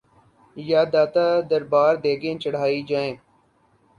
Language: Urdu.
یا داتا دربار دیگیں چڑھائی جائیں؟